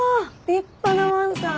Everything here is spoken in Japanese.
立派なわんさん。